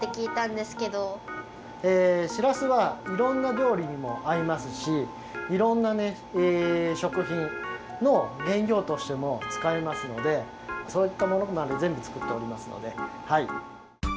えしらすはいろんな料理にもあいますしいろんなねしょくひんのげんりょうとしても使えますのでそういったものまでぜんぶ作っておりますのではい。